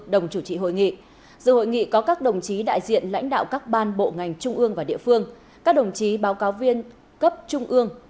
đồng chủ trị hội nghị dự hội nghị có các đồng chí đại diện lãnh đạo các ban bộ ngành trung ương và địa phương các đồng chí báo cáo viên cấp trung ương